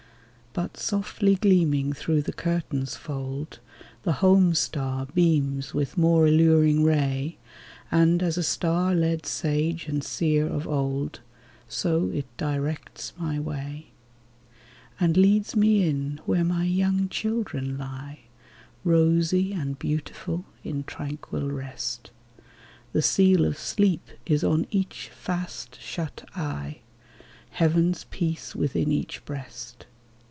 But softly gleaming through the curtain's fold. The home star beams wdth more alluring ray, And, as a star led sage and seer of old, So it directs my way ; 28 WITHOUT AND WITHIN And leads me in where my young children lie, Rosy and beautiful in tranquil rest ; The seal of sleep is on each fast shut eye, Heaven's peace within each breast.